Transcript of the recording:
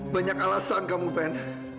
banyak alasan kamu fen